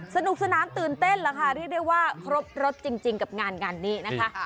สนุกสนานตื่นเต้นแล้วค่ะเรียกได้ว่าครบรถจริงกับงานงานนี้นะคะ